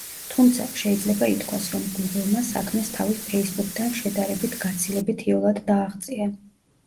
თუმცა, შეიძლება ითქვას, რომ „გუგლმა“ საქმეს თავი „ფეისბუქთან“ შედარებით, გაცილებით იოლად დააღწია.